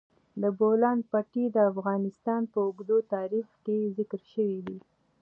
د بولان پټي د افغانستان په اوږده تاریخ کې ذکر شوی دی.